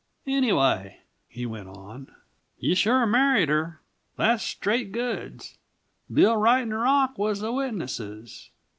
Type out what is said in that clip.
"Anyway," he went on, "you sure married her. That's straight goods. Bill Wright and Rock was the witnesses.